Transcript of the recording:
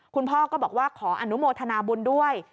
คุณพ่อก็บอกว่าขออนุโมทนาบุญด้วย